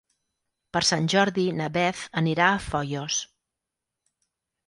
Per Sant Jordi na Beth anirà a Foios.